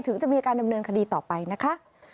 ถึงจะมีการดำเนินคดีต่อไปนะคะ